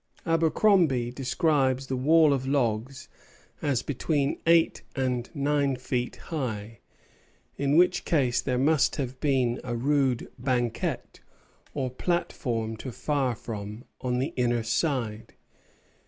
Abercromby describes the wall of logs as between eight and nine feet high; in which case there must have been a rude banquette, or platform to fire from, on the inner side.